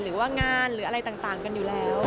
หรือว่างานหรืออะไรต่างกันอยู่แล้ว